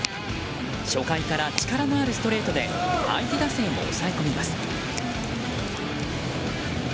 初回から力のあるストレートで相手打線を抑え込みます。